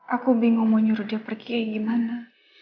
aku bingung mau nyuruh dia pergi kemana